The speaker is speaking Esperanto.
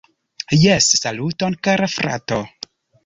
Jes, saluton kara frato